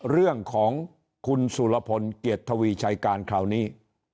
เรื่องของคุณสุรพลเกียรติทวีชัยการคราวนี้